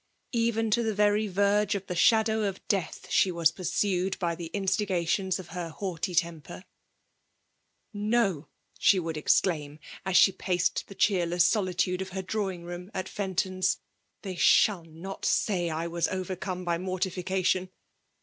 Even to the very verge of the shadow of death, she was pursued by the instigations of her haughty temper! *' No !" she would exclaim, as she paced the cheerless soUtude of her drawing room at Fen FEMALE DOMINATIOff<l. SI I ton's, " tliey shall not say I was overcome by mortification.